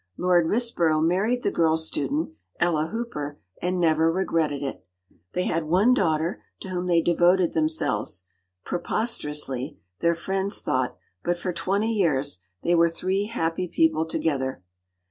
Lord Risborough married the girl student, Ella Hooper, and never regretted it. They had one daughter, to whom they devoted themselves—preposterously, their friends thought; but for twenty years, they were three happy people together.